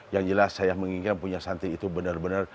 yang jelas saya menginginkan punya santri itu benar benar